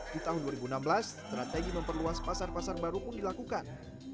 di tahun dua ribu enam belas strategi memperluas pasar pasar baru pun dilakukan